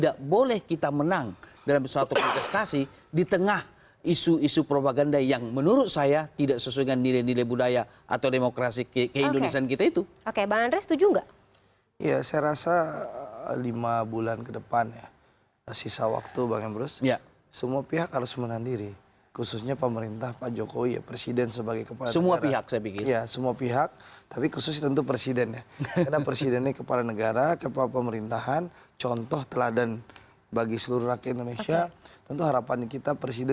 kalau kami pengen debat jadi percepat